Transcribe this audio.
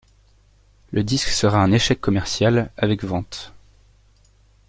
Le disque sera un échec commercial, avec ventes.